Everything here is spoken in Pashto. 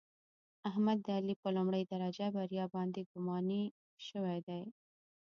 احمد د علي په لومړۍ درجه بریا باندې ګماني شوی دی.